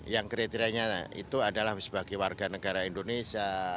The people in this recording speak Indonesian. yang kriterianya itu adalah sebagai warga negara indonesia